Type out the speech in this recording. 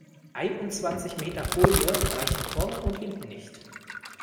Einundzwanzig Meter Folie reichen vorne und hinten nicht.